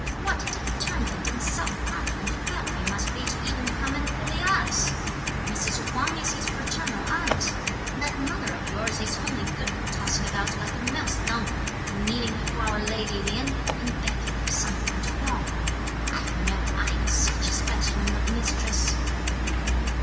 "What a determined and self confident fellow he must be to even come and bully us; Mrs. Huang is his paternal aunt! That mother of yours is only good for tossing about like a millstone, for kneeling before our lady Lien, and begging for something to pawn. I've no eye for such a specimen of mistress."